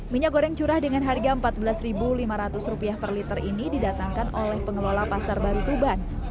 minyak goreng curah dengan harga rp empat belas lima ratus per liter ini didatangkan oleh pengelola pasar baru tuban